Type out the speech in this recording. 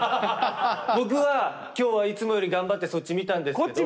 僕は今日はいつもより頑張ってそっち見たんですけど。